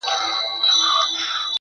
د هغه هر وخت د ښکلا خبر په لپه کي دي.